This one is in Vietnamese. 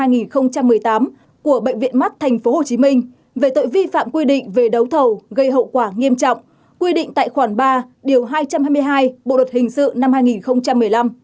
năm hai nghìn một mươi tám của bệnh viện mắt tp hcm về tội vi phạm quy định về đấu thầu gây hậu quả nghiêm trọng quy định tại khoản ba điều hai trăm hai mươi hai bộ luật hình sự năm hai nghìn một mươi năm